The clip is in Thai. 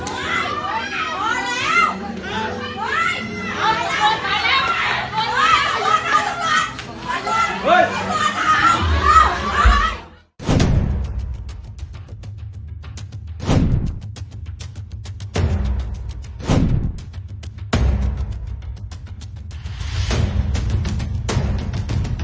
สุดท้ายสุดท้ายสุดท้ายสุดท้ายสุดท้ายสุดท้ายสุดท้ายสุดท้ายสุดท้าย